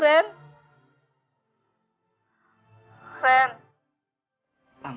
semua orang udah imut